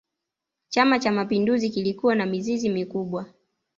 chama cha mapinduzi kilikuwa na mizizi mikubwa